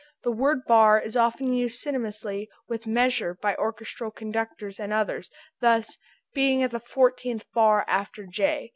The word bar is often used synonymously with measure by orchestral conductors and others; thus, "begin at the fourteenth bar after J."